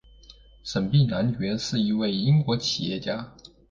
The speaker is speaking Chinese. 沈弼男爵是一位英国企业家。